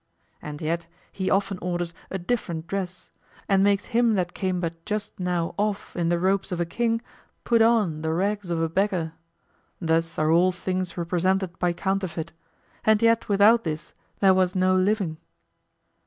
And yet he often orders a different dress, and makes him that came but just now off in the robes of a king put on the rags of a beggar. Thus are all things represented by counterfeit, and yet without this there was no living.